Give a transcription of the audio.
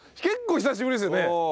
結構久しぶりですよね。